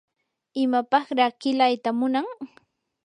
¿imapaqraa qilayta munan?